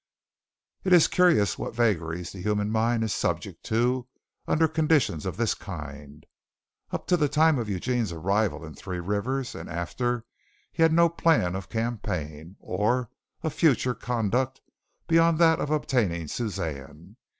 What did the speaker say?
It is curious what vagaries the human mind is subject to, under conditions of this kind. Up to the time of Eugene's arrival in Three Rivers and after, he had no plan of campaign, or of future conduct beyond that of obtaining Suzanne.